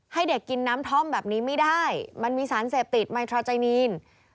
ให้เด็กกินน้ำท่อมแบบนี้ไม่ได้มันมีสารเสพติดไมทราไนน